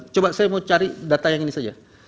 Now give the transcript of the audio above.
coba saya mau cari data yang ini saja